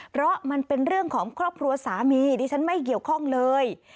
เพราะมันเป็นเรื่องของครอบครัวสามีดิฉันไม่เกี่ยวข้องเลย